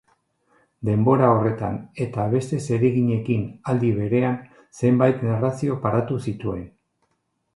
Denbora horretan eta beste zereginekin aldi berean zenbait narrazio paratu zituen.